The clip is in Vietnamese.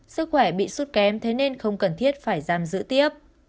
sức khỏe bị sốt kém thế nên không cần thiết phải giam giữ tiếp